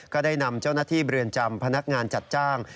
ก็ได้นำเจ้าหน้าที่เรือนจำพนักงานจัดจ้าง